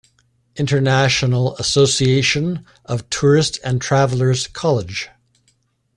International Association of "Tourists and Travelers" College.